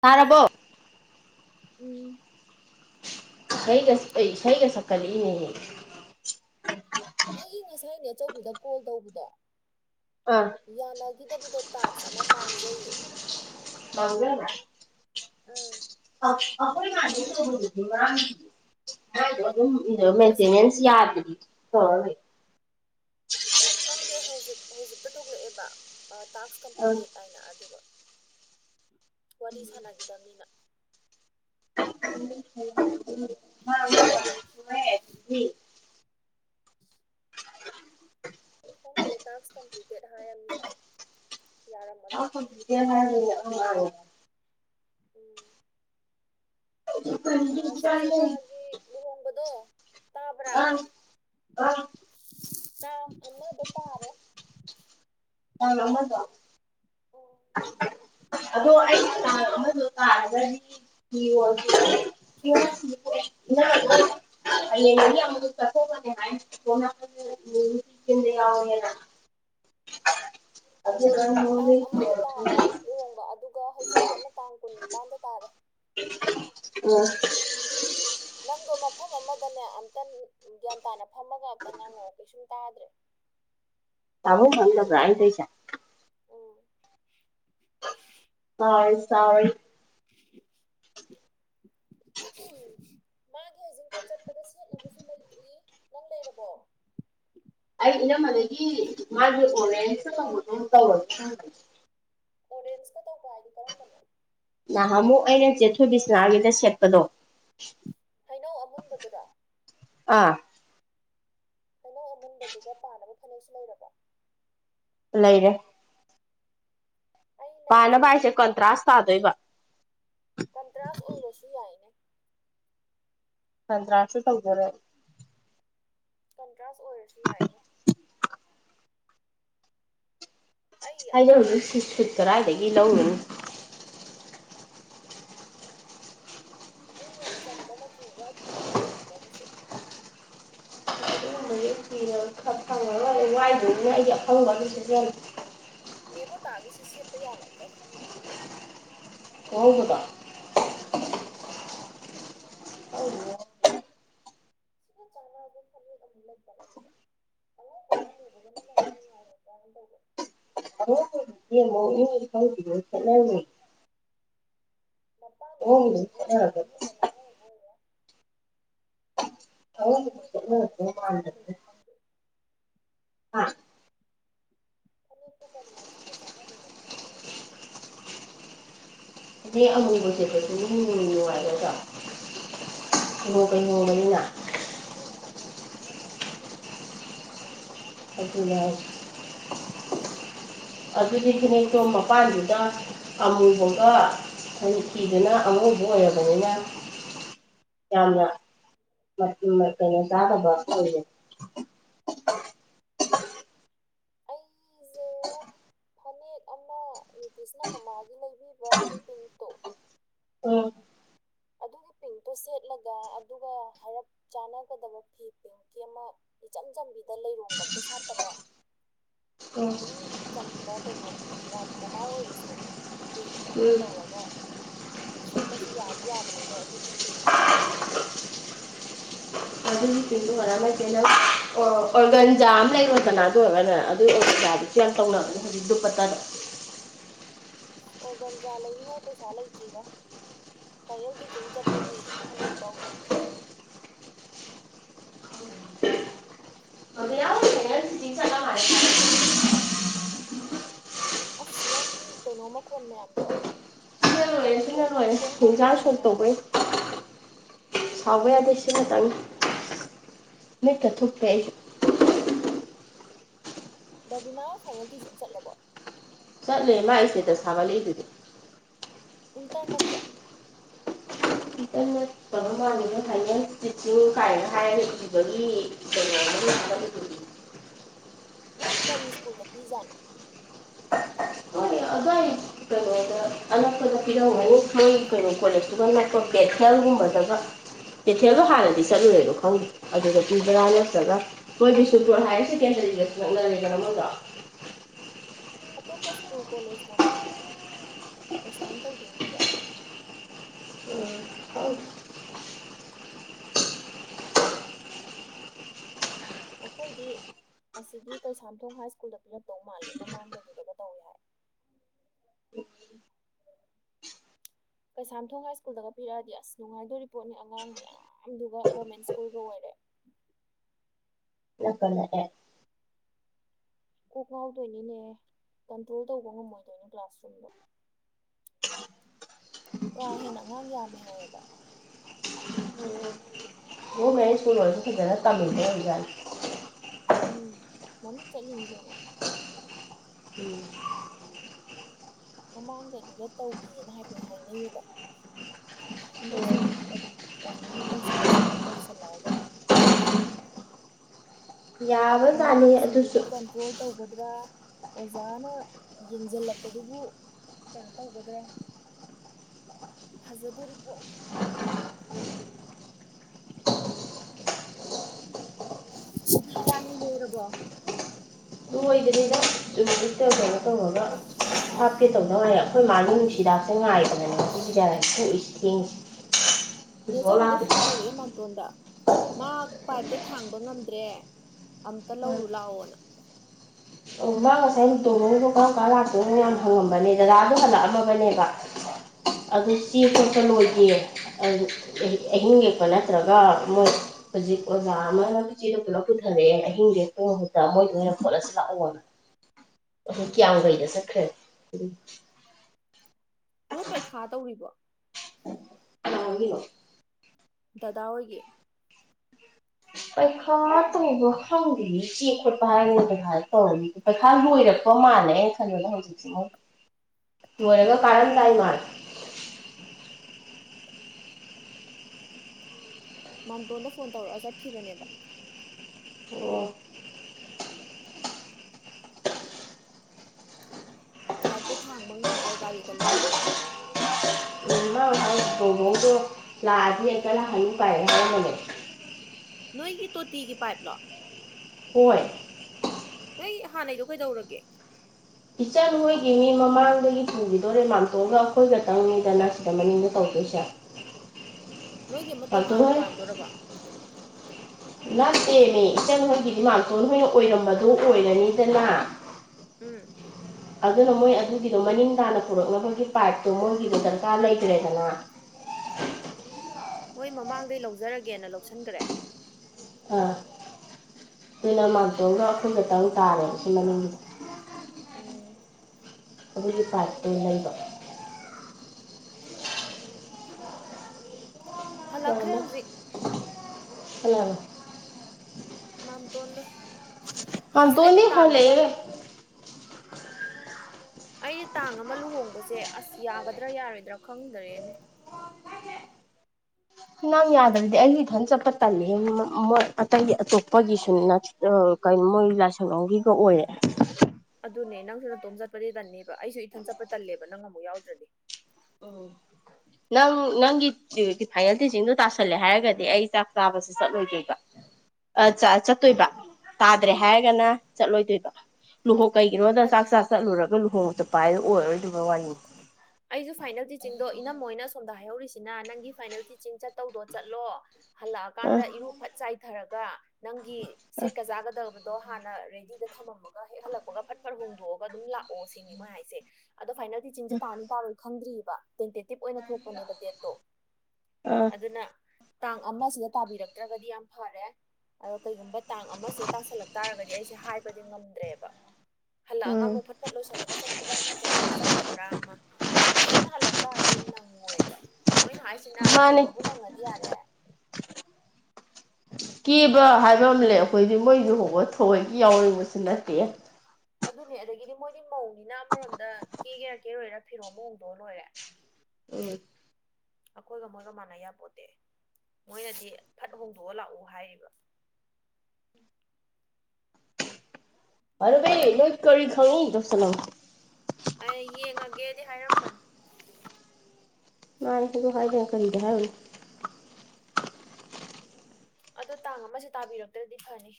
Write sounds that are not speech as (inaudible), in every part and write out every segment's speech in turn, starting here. ꯄꯤꯌꯦ ꯇꯥꯔꯕꯣ ꯎꯝ ꯁꯩꯒꯁ ꯑꯩ ꯏꯁꯩꯒ ꯁꯛꯀꯠꯂꯑꯩꯌꯦ ꯑꯩꯒꯤ ꯉꯁꯥꯏ ꯅꯦꯆꯧꯕꯤꯗ ꯀꯣꯜ ꯇꯧꯕꯗꯣ ꯑꯥ ꯌꯥꯅꯒꯤꯗꯕꯗꯣ ꯇꯥꯛꯁ ꯑꯃ ꯃꯥꯡꯖꯩꯌꯦ ꯃꯥꯡꯖꯕ꯭ꯔꯥ ꯎꯝ (inaudible) ꯃꯥꯏꯗꯣ ꯑꯗꯨꯝ ꯏꯅꯣ ꯍꯧꯖꯤꯛ ꯃꯟꯇꯦꯅꯦꯟꯁ ꯁꯤ ꯌꯥꯗꯦ ꯇꯧꯔꯔꯣꯏ ꯈꯪꯗꯦ ꯍꯧꯖꯤꯛ ꯍꯧꯖꯤꯛꯇ ꯊꯣꯛꯂꯦꯑꯦꯕ ꯑ ꯇꯥꯛꯁ ꯀꯝꯄ꯭ꯂꯤꯇꯦꯠ ꯑꯩꯅ ꯑꯗꯨꯒ ꯋꯥꯔꯤ ꯁꯥꯟꯅꯒꯤꯗꯕꯅꯤꯅ (inaudible) ꯈꯪꯗꯦ ꯇꯥꯛꯁ ꯀꯝꯄ꯭ꯂꯤꯇꯦꯠ ꯍꯥꯏꯔꯃꯤꯅ ꯇꯥꯛꯁ ꯀꯝꯄ꯭ꯂꯤꯇꯦꯠ ꯍꯥꯏꯔꯃꯤꯅ (unintelligible) ꯎꯝ (inaudible) ꯑ ꯁꯨꯖꯥꯇꯥꯒꯤ ꯂꯨꯍꯣꯡꯕꯗꯣ ꯇꯥꯕ꯭ꯔꯥ ꯇꯥꯡ ꯑꯃꯗ ꯇꯔꯦ ꯇꯥꯡ ꯑꯃꯥꯗ ꯎꯝ ꯑꯗꯣ ꯑꯩ ꯇꯥꯡ ꯑꯃꯗ‌ꯣ ꯇꯥꯔꯒꯗꯤ (unintelligible) (unintelligible) ꯎꯝ ꯇꯥꯡ ꯑꯃꯗ ꯇꯥꯔꯦ ꯂꯨꯍꯣꯡꯕ ꯑꯗꯨꯒ ꯍꯩꯖꯤꯡꯄꯣꯠꯅ ꯇꯥꯡ ꯀꯨꯟ ꯅꯤꯄꯜꯗ ꯇꯥꯔꯦ ꯑꯣ ꯅꯪꯒꯣ ꯃꯐꯝ ꯑꯃꯗꯅꯦ ꯑꯝꯇ ꯒ꯭ꯌꯥꯟ ꯇꯥꯅ ꯐꯝꯃꯒ ꯑꯝꯇ ꯉꯥꯡꯉꯛꯑꯣ ꯀꯩꯁꯨꯝ ꯇꯥꯗ꯭ꯔꯦ ꯇꯥꯕꯝ ꯈꯪꯗꯕ꯭ꯔꯥ ꯑꯩꯅ ꯇꯧꯔꯤꯁ‌ꯦ ꯎꯝ ꯁ‌ꯣꯔꯤ ꯁ‌ꯣꯔꯤ (unintelligible) ꯃꯥꯒꯤ ꯍꯧꯖꯤꯡꯀꯣꯠ ꯆꯠꯄꯗ ꯁꯦꯠꯂꯕꯁꯨ ꯂꯩꯇ꯭ꯔꯤ ꯅꯪ ꯂꯩꯔꯕꯣ ꯑꯩ ꯏꯅꯃꯗꯒꯤ ꯃꯥꯒꯤ ꯑꯣꯔꯦꯟꯁꯇ ꯇꯧꯕꯗꯣ ꯇꯧꯔꯒꯦꯕ ꯑꯣꯟꯁ ꯀ ꯇꯧꯕꯥꯏꯗꯤ ꯀꯔꯝꯝꯕꯅꯣ ꯅꯍꯥꯃꯨꯛ ꯑꯩꯅ ꯆꯦꯊꯨꯕꯤꯁꯅꯥꯒꯤꯗ ꯁꯦꯠꯄꯗꯣ ꯍꯩꯅꯧ ꯑꯃꯨꯟꯕꯗꯨꯔꯥ ꯑꯥ ꯍꯩꯅꯧ ꯑꯃꯨꯕꯗꯨꯒ ꯄꯥꯅꯕ ꯐꯅꯦꯛꯁꯨ ꯂꯩꯔꯕꯣ ꯂꯩꯔꯦ ꯑꯩ ꯄꯅꯕ ꯂꯩꯇ꯭ꯔꯤꯅꯦ ꯍꯥꯏꯁꯦ ꯑꯝꯇ ꯀꯟꯇ꯭ꯔꯥꯁ ꯇꯥꯗꯣꯏꯕ ꯄꯟꯇꯔꯥꯁ ꯑꯣꯏꯔꯁꯨ ꯌꯥꯏꯅꯦ ꯀꯟꯗ꯭ꯔꯥꯁ ꯇꯧꯗꯔꯦ ꯀꯟꯇ꯭ꯔꯥꯁ ꯑ‌ꯣꯏꯔꯁꯨ ꯌꯥꯏꯅꯦ ꯑꯩ ꯑꯝꯇ ꯑꯩꯗꯤ ꯍꯧꯖꯤꯛ ꯁꯤꯠ ꯂꯩꯇ꯭ꯔꯤꯅꯦ ꯁꯨꯠ ꯀꯗꯥꯏꯗꯒꯤ ꯂꯧꯔꯨꯅꯤ ꯑꯩ ꯌꯥꯝ ꯆꯪꯕ ꯃꯆꯨ ꯋꯥꯏꯐꯀꯨꯝꯕ ꯀꯩꯒꯨꯝꯕ ꯑꯃ ꯁꯦꯠꯅꯤꯡ ꯑꯗꯨꯒꯨꯝꯕꯒꯤ (unintelligible) ꯅꯦꯕꯣꯇꯥꯒꯤꯁꯤ ꯁꯦꯠꯄ ꯌꯥꯒꯗ꯭ꯔꯣ ꯈꯪꯗꯦꯅꯦ ꯑꯉꯧꯕꯗ‌ꯣ ꯎꯝ (unintelligible) (unintelligible) ꯑꯉꯧꯕꯒꯉꯨꯕꯒꯅꯤꯅ ꯑꯃꯛ ꯅꯨꯡꯉꯥꯏꯔꯕ꯭ꯔꯥ ꯑꯗꯨꯝ ꯇꯧꯕ (unintelligible) ꯃꯄꯥꯟꯗꯅ ꯑꯉꯧꯕꯗꯨ ꯑꯃꯨꯕ ꯑꯣꯏꯔꯦ ꯈꯦꯠꯅꯔꯒ ꯃꯅꯨꯡꯗꯅ ꯑꯉꯧꯕ ꯑ‌ꯣꯏꯔ ꯐꯅꯦꯛꯇꯨ ꯀꯔꯤ ꯃꯆꯨꯒ ꯆꯥꯟꯅꯗꯣꯏꯅꯣ (unintelligible) ꯈꯪꯗꯦ ꯍꯥ ꯐꯅꯄꯨ ꯀꯔꯤ ꯃꯆꯨꯝꯒ ꯆꯥꯟꯅꯗꯨꯅꯣ ꯈꯪꯗ꯭ꯔꯒ ꯃꯤ ꯑꯃꯨꯕ ꯁꯦꯠꯄꯁꯨ ꯑꯗꯨꯝ ꯅꯨꯡ ꯅꯨꯡꯉꯥꯏꯒꯗ꯭ꯔꯥ ꯑꯗꯨꯅꯤ (unintelligible) ꯃꯤꯒꯤ ꯅꯣꯡꯃꯇ ꯃꯣꯡꯕꯅꯤꯅ ꯑꯃꯣꯡꯕꯒꯨꯝꯕꯗꯨꯁꯨ ꯅꯨꯡꯉꯥꯏꯔꯣꯏꯗꯅ ꯑꯃꯨꯛ ꯑꯗꯨꯅ ꯑꯗꯨꯗꯤ ꯐꯅꯦꯛꯇꯣ ꯑꯉꯧꯕꯁꯨ ꯃꯄꯥꯟꯗꯨꯗ ꯑꯃꯨꯕꯒ ꯍꯥꯏꯗꯤ ꯐꯤꯗꯨꯅ ꯑꯃꯨꯕ ꯑꯣꯏꯔꯕꯅꯤꯅ ꯌꯥꯝꯅ ꯃꯆꯨ ꯃꯥꯆꯟ ꯆꯥꯗꯕ ꯑꯃꯥ ꯑ‌ꯣꯏꯔ‌ꯦ ꯑꯩꯁꯦ (unintelligible) ꯐꯅꯦꯛ ꯑꯃ ꯅꯤꯇꯤꯁꯅ ꯃꯃꯥꯒꯤ ꯂꯩꯕꯤꯕ ꯄꯤꯡꯛꯇꯣ ꯎꯝ ꯑꯗꯨꯒꯤ ꯄꯤꯡꯛꯇꯣ ꯁꯦꯠꯂꯒ ꯑꯗꯨꯒ ꯍꯥꯏꯔꯞ ꯆꯥꯟꯅꯒꯗꯕ ꯐꯤ ꯄꯤꯡꯀꯤ ꯑꯃ ꯏꯆꯝ ꯆꯝꯕꯤꯗ ꯂꯩꯔꯣꯡꯒ ꯑꯝꯇ ꯁꯥꯠꯇꯕ ꯎꯝ ꯑꯗꯨꯝ ꯆꯝꯕ ꯀꯩꯅꯣ ꯔꯥꯅꯤ ꯃꯅꯥꯎ ꯑꯣꯏꯔꯁꯨ ꯄꯤꯡꯛ ꯑꯃ ꯎꯝ ꯇꯧꯔꯒ ꯁꯦꯠꯂꯁꯨ ꯌꯥꯗꯤ ꯌꯥꯕꯅꯦ ꯑꯗꯣ ꯑꯗꯨꯒꯤ ꯄꯤꯡꯇꯣ ꯀꯅꯥꯝ ꯂꯩꯇꯦꯅꯦ ꯑꯗꯨꯒꯤ ꯄꯤꯡ ꯑꯗꯨ ꯀꯅꯥꯝ ꯂꯩꯇ‌ꯦ ꯅꯪ ꯑꯣꯔ ꯑꯣꯔꯒꯟꯖꯥ ꯑꯝ ꯂꯩꯔꯣꯗꯅꯥ ꯗꯨ ꯑꯣꯏꯔꯒꯅ ꯑꯗꯨꯏ ꯑꯣꯔꯒꯟꯖꯥꯗꯨ ꯌꯥꯝ ꯇꯧꯅꯕꯅꯤ ꯍꯧꯖꯤꯛ ꯗꯨꯄꯠꯇꯥꯗ ꯑꯁ ꯑꯣꯔꯒꯟꯖꯥ ꯂꯩꯅꯤꯉꯥꯏ ꯄꯩꯁꯥ ꯂꯩꯇ꯭ꯔꯤꯗꯥ ꯐꯥꯏꯅꯦꯜ ꯇꯤꯆꯤꯡ ꯆꯠꯄꯒꯤ ꯐꯅꯦꯛ ꯐꯥꯎ ꯂꯩꯗ꯭ꯔꯤ ꯑꯗꯨ ꯌꯥꯎꯕ (unintelligible) ꯑꯁ ꯅꯪꯒꯤ ꯀꯩꯅꯣ ꯃꯈꯣꯟ ꯃꯌꯥꯝꯗꯣ ꯁꯤꯅ ꯂ‌ꯣꯏꯔ‌ꯩ ꯁꯤꯅ ꯀꯣꯡ ꯀꯥꯡ ꯂ‌ꯣꯏ ꯀꯣꯡ ꯀꯥꯡ ꯍꯤꯟꯖꯥꯡ ꯃꯈꯣꯟ ꯁꯣꯛ ꯃꯌꯥꯝꯗꯣ ꯇꯧꯕꯩ ꯁꯥꯎꯕ ꯌꯥꯗꯦ ꯁꯤ ꯅꯇꯪ ꯃꯤꯠꯀ ꯊꯨꯞꯄ‌ꯦ ꯑꯩꯁ ꯕꯕꯤꯅꯥ ꯍ‌ꯣꯏ ꯐꯥꯏꯅ‌ꯦꯜ ꯇꯤꯆꯤꯡ ꯆꯠꯂꯕ‌ꯣ ꯆꯠꯂꯦ ꯃꯥꯏ ꯏꯁꯇ‌ꯦꯇꯁ ꯊꯥꯒꯠꯂꯛꯏꯗꯨꯗꯤ ꯏꯟꯇꯟ ꯅꯠꯇ꯭ꯔꯣ ꯏꯟꯇꯟ ꯅꯠ ꯇꯕ ꯃꯥꯥꯜꯂꯤꯗ ꯐꯥꯏꯅ‌‌ꯦꯟ ꯇꯤꯆꯤꯡ ꯀꯥꯏꯅ ꯍꯥꯏꯔ ꯏꯕꯒꯤ ꯀꯩꯅ‌ꯣ ꯑꯃ (unintelligible) ꯃꯣꯏꯗꯤ ꯀꯔꯤ ꯁ꯭ꯀꯨꯜꯗ ꯄꯤꯖꯥꯠꯅ‌ꯣ ꯍꯣꯏ ꯑꯗꯨꯋꯥꯏ ꯀꯩꯅꯣꯗ ꯑꯅꯛꯄꯗ ꯄꯤꯔꯝꯒꯅꯤ ꯃ‌ꯣꯏ ꯀꯩꯅꯣ ꯀꯣꯂꯦꯖꯇꯨꯒ ꯅꯛꯄ ꯕꯦꯠꯊ‌ꯦꯜꯒꯨꯝꯕꯗꯒ ꯄꯦꯊꯦꯜꯗꯣ ꯍꯥꯟꯅꯗꯤ ꯆꯠꯂꯨꯔꯦꯗꯣ ꯈꯪ ꯑꯗꯨꯒ ꯄꯤꯕ꯭ꯔꯥ ꯅꯠꯇ꯭ꯔꯒ ꯃꯣꯏ ꯕꯤꯁꯅꯨꯄꯨꯔ ꯍꯥꯏꯌꯔ ꯁꯦꯀꯦꯟꯗꯔꯤꯒꯁꯨ ꯅꯛꯅꯔꯦꯗꯅ ꯑꯃꯗꯣ ꯑꯇꯣꯞꯄ ꯁ꯭ꯀꯨꯜ ꯀꯣꯂꯦꯖꯅ ꯑꯃ ꯑꯦꯁꯥꯏꯟ ꯇꯧꯗꯣꯏꯅꯦꯕ (unintelligible) ꯑꯈꯣꯏꯗꯤ ꯑꯁꯤꯒꯤ ꯀꯩꯁꯥꯝꯊꯣꯡ ꯍꯥꯏ ꯁ꯭ꯀꯨꯜꯗ ꯄꯤꯔꯛꯇꯧ ꯃꯥꯜꯂꯦ ꯃꯃꯥꯡꯗ ꯑꯗꯨꯗꯒ ꯇꯧꯋꯦ ꯍꯥꯏ ꯀꯩꯁꯥꯝꯊꯣꯡ ꯍꯥꯏ ꯁ꯭ꯀꯨꯜꯗꯒ ꯄꯤꯔꯑꯗꯤ ꯑꯁ ꯅꯨꯡꯉꯥꯏꯗꯣꯔꯤ ꯄꯣꯠꯅꯤ ꯑꯉꯥꯡ ꯃꯌꯥꯝꯗꯨꯒ ꯒꯣꯔꯃꯦꯟ ꯁ꯭ꯀꯨꯜꯒ ꯑꯣꯏꯔꯦ (unintelligible) ꯀꯣꯛ ꯉꯥꯎꯗꯣꯏꯅꯤꯅꯦ ꯀꯟꯇ꯭ꯔꯣꯜ ꯇꯧꯕ ꯉꯝꯃꯣꯏꯗꯣꯏꯅꯦ ꯀ꯭ꯂꯥꯁꯔꯨꯝꯗꯣ ꯀꯥ ꯍꯦꯟꯅ ꯑꯉꯥꯡ ꯌꯥꯝꯃꯦ ꯍꯥꯏꯌꯦꯕ (unintelligible) ꯁ꯭ꯀꯨꯜ ꯑꯣꯏꯁꯨ ꯐꯖꯅ ꯇꯝꯃꯤꯕ ꯑꯣꯏꯖꯥꯠꯅꯤ ꯎꯝ ꯃꯃꯤꯡ ꯆꯠꯂꯤꯅꯤ ꯀꯩꯅꯣ ꯎꯝ ꯃꯃꯥꯡꯗ ꯑꯗꯨꯗ ꯇꯧꯒꯤꯅ ꯍꯥꯏꯐꯦꯠ ꯍꯥꯏꯅꯩꯕ ꯍꯟꯗꯛꯁꯨ ꯎꯝ ꯑꯗꯨꯝ ꯇꯧꯈꯤꯝ ꯑꯗꯨꯝ ꯇꯧꯁꯤꯜꯂꯁꯦꯅ ꯇꯧꯁꯜꯂꯑꯒꯗꯤ ꯌꯥꯕꯖꯥꯠꯅꯤ ꯑꯉꯥꯡꯁꯤꯡꯗꯨꯕꯨ ꯑꯗꯨꯁꯨ ꯀꯟ ꯇ꯭ꯔꯣꯜ ꯇꯧꯒꯗ꯭ꯔꯥ ꯑꯣꯖꯥꯅ ꯌꯦꯡꯖꯜꯂꯛꯄꯗꯨꯕꯨ ꯀꯩꯅꯣ ꯇꯧꯒꯗ꯭ꯔꯥ ꯐꯖꯗꯣꯔꯤ ꯄꯣꯠꯅꯤ ꯁꯤꯗꯤꯌꯥꯔꯥꯅꯤ ꯂꯣꯏꯔꯕꯣ ꯂ‌ꯣꯏꯗꯔꯤꯗꯥ ꯂ‌ꯣꯏ ꯇꯩ ꯀꯩꯅꯣ ꯇꯧꯔꯒ ꯍꯥꯞꯀꯦ ꯇꯧꯗ ꯉꯥꯏ ꯑꯩꯈꯣꯏ ꯃꯥꯒꯤ ꯅꯨꯡꯁꯤꯗꯥꯛꯁꯦ ꯉꯥꯏꯕꯗꯅꯦ (unintelligible) ꯊꯦꯡꯉꯤꯁ ꯅꯦꯆꯧꯕꯤꯗꯣ ꯐꯣꯟ ꯇꯧꯔꯛꯑꯦ ꯃꯥꯝꯇꯣꯟꯗ ꯃꯥ ꯄꯥꯏꯞꯇꯣ ꯊꯥꯡꯕ ꯉꯝꯗ꯭ꯔꯦ ꯑꯝꯇ ꯂꯧꯔꯨ ꯂꯥꯛꯑꯣꯅ ꯑꯣ ꯃꯥ ꯉꯁꯥꯏ ꯇꯣꯡꯉꯅꯤꯗꯣ ꯀꯔ ꯀꯔ ꯂꯥꯛꯇꯣꯏꯅꯣ ꯌꯥꯝ ꯍꯪꯉꯝꯕꯅꯦ ꯗꯗꯥꯗ ꯍꯜꯂꯛꯑꯃꯕꯅꯦꯕ ꯑꯗꯨ ꯆꯦ ꯀꯣꯠꯄ ꯂꯣꯏꯗꯔ꯭ꯤ ꯑꯍꯤꯡ ꯌꯦꯛꯄ ꯅꯠꯇ꯭ꯔꯒ ꯃꯣꯏ ꯍꯧꯖꯤꯛ ꯑꯣꯖꯥ ꯑꯃꯥ ꯅꯣꯏꯅ ꯀꯤꯆꯦꯗ ꯄꯨꯂꯞ ꯄꯨꯊꯜꯂꯛꯑꯦ ꯑꯍꯤꯡꯗꯦ ꯄꯨꯡ ꯃꯍꯨꯠꯇ ꯃꯣꯏꯗ ꯑꯣꯏꯅ ꯄꯣꯠꯂꯁꯤ ꯂꯥꯛꯑꯣꯅ ꯑꯗꯨꯏ ꯀ꯭ꯌꯥꯡꯒꯩꯗ ꯆꯠꯈ꯭ꯔꯦ ꯅꯣꯏ ꯄꯩꯈꯥ ꯇꯧꯔꯤꯕꯣ ꯂꯣ (unintelligible) ꯗꯗꯥ ꯑꯣꯏꯒꯤ ꯄꯩꯈꯥ ꯇꯧꯕ ꯈꯪꯗ꯭ꯅꯤ ꯆꯦꯛ ꯈꯣꯠꯄ ꯍꯥꯏꯅꯤ ꯄꯩꯈ ꯇꯧꯔꯅꯤ ꯄꯩꯈꯥ ꯂꯣꯏꯔꯛꯄ ꯃꯥꯜꯂꯦ ꯈꯟꯕꯗꯥ ꯍꯧꯖꯤꯛ ꯁꯦ ꯃꯣꯏ꯫ (inaudible) ꯂꯣꯌꯔꯥꯒꯥ ꯀꯔꯝꯗꯥꯏ ꯎꯝ ꯃꯥꯜꯂꯤ ꯃꯥꯝꯇꯣꯟꯗ ꯐꯣꯟ ꯇꯧꯔꯛꯑ ꯆꯠꯈꯤꯕꯅꯦꯕ ꯑꯣ ꯄꯥꯏꯞꯇꯣ ꯊꯥꯡꯕ ꯉꯝꯗ꯭ꯔꯦ ꯒꯥꯔꯤꯗ ꯂꯧ ꯂꯥꯛꯑꯣꯅ ꯏꯃ ꯇꯕꯗꯣ (unintelligible) ꯂꯑꯗ ꯑꯦ ꯍꯅꯤ ꯄꯥꯏ ꯍꯥꯏꯔꯝꯕꯅꯦ ꯅꯣꯏꯒꯤ ꯇꯣꯇꯤꯒꯤ ꯄꯥꯏꯞꯂꯣ ꯍꯣꯏ꯫ ꯅꯣꯏꯒꯤ ꯍꯥꯟꯅꯩꯗꯣ ꯀꯩꯗꯧꯔꯒꯦ ꯏꯆꯟ ꯃꯣꯏꯒꯤ ꯃꯤ ꯃꯃꯥꯡꯗꯒꯤ ꯄꯨꯈꯤꯗꯣꯔꯦ ꯂꯥꯝꯇꯣꯛꯒ ꯑꯩꯈꯣꯏꯒꯇꯪꯅꯤꯗꯅ ꯁꯤꯗ ꯃꯅꯤꯡꯗ ꯇꯧꯗꯣꯏꯁꯦ ꯅꯣꯏꯒꯤ ꯑꯃ ꯃꯥꯝꯇꯣꯟ ꯇꯣꯉꯥꯟꯅ ꯍꯣꯏ ꯄꯥꯟꯗꯣꯔꯕ ꯅꯠꯇꯂꯦꯃꯤ ꯏꯆꯟ ꯍꯣꯏꯒꯤꯗꯤ ꯃꯥꯡꯇꯣ ꯍꯣꯏꯅ ꯑꯣꯏꯔꯝꯕꯗꯣ ꯑꯣꯏꯔꯅꯤꯗꯅ ꯎꯝ ꯑꯗꯨꯅ ꯃꯣꯏ ꯑꯗꯨꯒꯤꯗꯣ ꯃꯅꯤꯡ ꯇꯥꯅ ꯄꯨꯔꯛꯅꯕꯒꯤ ꯄꯥꯏꯞꯇꯨ ꯃꯣꯏꯒꯤꯗꯤ ꯗꯔꯀꯥ ꯂꯩꯇꯔꯦꯗꯅ ꯃꯣꯏ ꯃꯃꯥꯡꯗꯩ ꯂꯧꯖꯔꯒꯦꯅ ꯂꯧꯁꯟꯈ꯭ꯔꯦ ꯑꯥ ꯇꯨꯅ ꯃꯥꯝꯇꯣꯛꯅ ꯑꯩꯈꯣꯏ ꯈꯛꯇꯪ ꯇꯥꯔꯦ ꯁꯤ ꯃꯅꯤꯡꯁꯤꯗ ꯎꯝ ꯑꯗꯨꯒꯤ ꯄꯥꯏꯞ ꯇꯨ ꯂꯩꯕ ꯎꯝ ꯎꯝ ꯋꯥ ꯈꯕ ꯍꯧꯖꯤꯛ (unintelligible) ꯃꯥꯝꯇꯣꯟꯗ ꯑꯁ ꯑꯩꯗꯤ ꯃꯥꯝꯇꯣꯟꯗꯤ ꯇꯥꯡ ꯑꯃ ꯍꯜꯂꯛꯑꯦ ꯑꯩꯗꯤ ꯇꯥꯡ ꯑꯃ ꯂꯨꯍꯣꯡꯕꯁꯦ ꯑꯁ ꯌꯥꯒꯗ꯭ꯔꯥ ꯌꯥꯔꯣꯏꯗ꯭ꯔꯥ ꯈꯪꯗꯔꯦꯅꯦ ꯅꯪ ꯌꯥꯗ꯭ꯔꯗꯤ ꯑꯩ ꯏꯊꯟ ꯆꯠꯄ ꯇꯜꯂꯤ ꯃꯣꯏ ꯑꯇꯩꯒꯤ ꯑꯇꯣꯞꯄꯒꯤꯁꯨ ꯅꯠꯇꯦ ꯀꯩꯅꯣ ꯃꯣꯏ ꯂꯥꯏꯁꯪꯕꯝꯒꯤꯒ ꯑꯣꯏꯔꯦ ꯑꯗꯨꯅꯦ ꯅꯪꯁꯨ ꯅꯇꯣꯝ ꯆꯠꯄꯗꯤ ꯇꯟꯅꯦꯕ ꯑꯩꯁꯨ ꯏꯊꯟ ꯆꯠꯄ ꯇꯜꯂꯦꯕ ꯅꯪ ꯑꯃꯨꯛ ꯌꯥꯎꯗ꯭ꯔꯗꯤ ꯎꯝ ꯅꯪ ꯅꯪꯒꯤ ꯐꯥꯏꯅꯦꯜ ꯇꯤꯆꯤꯡꯗꯣ ꯇꯥꯁꯜꯂꯦ ꯍꯥꯏꯔꯒꯗꯤ ꯑꯩ ꯆ ꯆꯥꯕꯁꯨ ꯆꯠꯂꯣꯏꯗꯣꯏꯕ ꯆꯠꯇꯣꯏꯕ ꯇꯥꯗ꯭ꯔꯦ ꯍꯥꯏꯔꯒꯅ ꯆꯠꯂꯣꯏꯗꯣꯏꯕ ꯂꯨꯍꯣꯡ ꯀꯩꯒꯤꯅꯣꯗ ꯆꯥꯛ ꯆꯥ ꯆꯠꯂꯨꯔꯒ ꯂꯨꯍꯣꯡ ꯆꯠꯄ ꯍꯥꯏꯗꯣ ꯑꯣꯏꯔꯣꯏꯗꯕ ꯋꯥꯔꯤꯅꯤ ꯑꯩꯁꯨ ꯐꯥꯏꯅꯦꯜ ꯇꯤꯆꯤꯡꯗꯣ ꯏꯅꯝꯃꯣꯏꯅ ꯁꯣꯝꯗ ꯍꯥꯏꯍꯧꯔꯤꯁꯤꯅ ꯅꯪꯒꯤ ꯐꯥꯏꯅꯦꯜ ꯇꯤꯆꯤꯡ ꯆꯠꯇꯧꯗꯣ ꯆꯠꯂꯣ ꯑ ꯍꯜꯂꯛꯑꯀꯥꯟꯗ ꯏꯔꯨ ꯐꯠ ꯆꯥꯏꯊꯔꯒ ꯅꯪꯒꯤ ꯑ ꯁꯦꯠꯀ ꯆꯥꯒꯗꯕꯗ ꯗꯣ ꯍꯥꯟꯅ ꯔꯦꯗꯤꯗ ꯊꯝꯃꯝꯃꯒ ꯍꯦꯛ ꯍꯜꯂꯛꯄꯒ ꯐꯠ ꯐꯠ ꯍꯣꯡꯗꯣꯛꯑꯒ ꯑꯗꯨꯝ ꯂꯥꯛꯑꯣ ꯁꯤꯅꯤ ꯃꯣꯏ ꯍꯥꯏꯁꯦ꯫ ꯑꯗꯣ ꯐꯥꯏꯅꯜ ꯊꯤꯆꯤꯡꯁꯦ ꯇꯥꯅꯤ ꯇꯥꯔꯣꯏ ꯈꯪꯗ꯭ꯔꯤꯕ ꯇꯦꯟꯇꯦꯇꯤꯞ ꯑꯣꯏꯅ ꯊꯣꯛꯄꯅꯦꯕ ꯗꯦꯠꯇꯣ ꯑ ꯑꯗꯨꯅ ꯇꯥꯡ ꯑꯃꯁꯤꯗ ꯇꯥꯕꯤꯔꯛꯇ꯭ꯔꯒꯗꯤ ꯌꯥꯝ ꯐꯔꯦ ꯑꯗꯣ ꯀꯩꯒꯨꯝꯕ ꯇꯥꯡ ꯑꯃꯁꯤꯗ ꯇꯥꯁꯜꯂꯛ ꯇꯥꯔꯒ ꯗꯤ ꯑꯩꯁꯦ ꯍꯥꯏꯕꯗꯤ ꯉꯝꯗ꯭ꯔꯦꯕ ꯍꯜꯂꯛꯑꯒ ꯎꯝ ꯑꯃꯨꯛ ꯐꯠ ꯐꯠ ꯂꯣꯏꯁꯤꯜꯂꯒ ꯆꯠꯄꯗ ꯅꯠꯇ꯭ꯔꯒꯅ ꯆꯠ ꯇꯕ꯭ꯔꯥ ꯑꯃ꯫ ꯊꯦꯡꯅ ꯍꯜꯂꯛ ꯇꯥꯔꯗꯤ ꯅꯪꯉꯣꯏꯕ ꯃꯣꯏꯅ ꯍꯥꯏꯁꯤꯅ ꯃꯥꯅꯦ ꯊꯤꯟꯕꯕꯨ ꯅꯪꯉꯗꯤ ꯌꯥꯔꯦ꯫ ꯀꯦꯕ ꯍꯥꯏꯕ ꯑꯃ ꯂꯩ ꯑꯩꯈꯣꯏꯗꯤ ꯃꯣꯏ ꯂꯨꯍꯣꯡꯕ ꯊꯑꯣꯏꯀꯤ ꯌꯥꯎꯕꯁꯨ ꯅꯠꯇꯦ꯫ ꯑꯗꯨꯅꯦ ꯑꯗꯒꯤꯗꯤ ꯃꯣꯏꯗꯤ ꯃꯧꯅꯤꯅ ꯑꯃꯔꯣꯝꯗ ꯀꯦꯒꯦꯔꯥ ꯀꯦꯔꯣꯏꯔꯥ ꯐꯤꯔꯣꯟ ꯑꯃ ꯍꯣꯡꯗꯣꯛꯑ ꯂꯣꯏꯔꯦ꯫ ꯑꯁ꯫ ꯑꯩꯈꯣꯏꯒ ꯃꯣꯏꯒ ꯃꯥꯟꯅ ꯌꯥꯄꯣꯠꯇꯦ ꯃꯣꯏꯅꯗꯤ ꯐꯠ ꯍꯣꯡꯗꯣꯛꯑ ꯂꯥꯛꯎ ꯍꯥꯏꯔꯤꯕ꯫ ꯍꯅꯨꯕꯤ ꯅꯣꯏ ꯀꯔꯤ ꯈꯪꯉꯤ ꯇꯧꯁꯜꯂꯣ꯫ ꯑꯩ ꯌꯦꯡꯉꯒꯦꯗꯤ ꯍꯥꯏꯔꯝꯕꯅꯤ꯫ ꯃꯥꯥꯅꯤ ꯑꯗꯨ ꯍꯥꯏꯗꯅ ꯀꯔꯤꯗ ꯍꯥꯏꯔꯨꯅꯤ꯫ ꯑꯗꯣ ꯇꯥꯡ ꯑꯃꯁꯦ ꯇꯥꯕꯤꯔꯛꯇ꯭ꯔꯗꯤ ꯐꯅꯤ꯫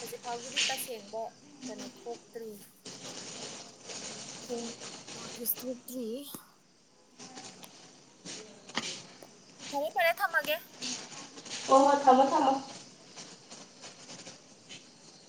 ꯍꯧꯖꯤꯛ ꯐꯥꯎꯒꯤꯗꯤ ꯇꯁꯦꯡꯕ ꯀꯩꯅꯣ ꯊꯣꯛꯇ꯭ꯔꯤ꯫ (inaudible) ꯅꯣꯇꯤꯁ ꯊꯣꯛꯇ꯭ꯔꯤ꯫ ꯐꯔꯦ ꯐꯔꯦ ꯊꯝꯃꯒꯦ꯫ ꯍꯣꯏ ꯊꯝꯃꯣ ꯊꯝꯃꯣ꯫